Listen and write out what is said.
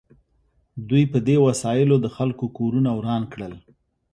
دوی په دې وسایلو د خلکو کورونه وران کړل